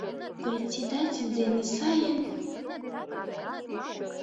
— Председатель дене сайын...